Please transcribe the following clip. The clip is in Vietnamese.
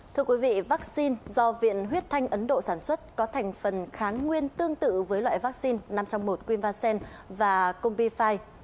thưa quý vị vaccine do viện huyết thanh ấn độ sản xuất có thành phần kháng nguyên tương tự với loại vaccine năm trong một quyên văn xen và công vy phai